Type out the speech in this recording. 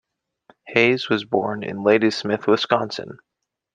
Hayes was born in Ladysmith, Wisconsin.